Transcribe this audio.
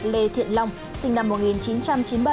lê thiện long sinh năm một nghìn chín trăm chín mươi bảy